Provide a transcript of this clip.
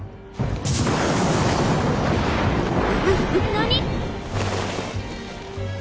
何？